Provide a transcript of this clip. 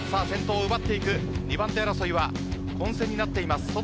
先頭奪っていく２番手争いは混戦になっています。